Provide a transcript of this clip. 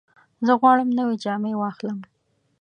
زه غواړم نوې جامې واخلم.